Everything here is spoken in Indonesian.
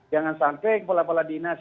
jangan sampai kepala kepala dinas